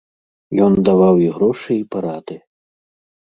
Ён даваў і грошы і парады.